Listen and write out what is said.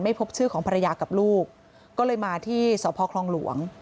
พบชื่อของภรรยากับลูกก็เลยมาที่สพคลองหลวง